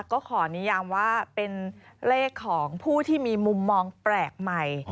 ก็ขอนิยามว่าเป็นเลขของผู้ที่มีมุมมองแปลกใหม่